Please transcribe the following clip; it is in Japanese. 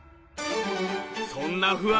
そんな不安